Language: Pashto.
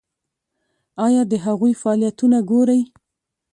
ایا د هغوی فعالیتونه ګورئ؟